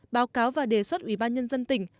báo cáo và đề xuất ủy ban nhân dân tỉnh